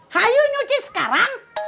hayu nyuci sekarang